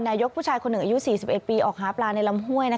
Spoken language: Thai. นายกผู้ชายคนหนึ่งอายุ๔๑ปีออกหาปลาในลำห้วย